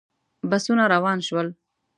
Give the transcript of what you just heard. بسونه روان شول.